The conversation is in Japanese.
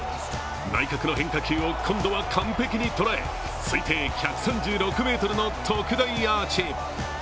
内角の変化球を今度は完璧に捉え推定１３６ｍの特大アーチ。